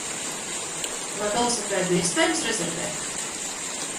Vai velosipēdu iespējams rezervēt?